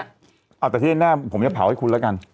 อ้าวแต่ที่หน้าผมจะเผาให้คุณแล้วกัน